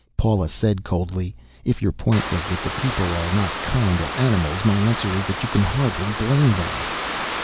Paula said coldly, "If your point was that the people are not kind to animals, my answer is that you can hardly blame them."